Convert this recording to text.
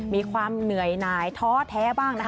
มีความเหนื่อยนายท้อแท้บ้าง